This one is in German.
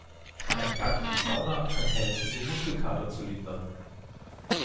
Ein Gang in die Sauna kann helfen, den Muskelkater zu lindern.